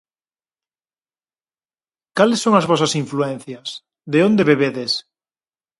Cales son as vosas influencias, de onde bebedes?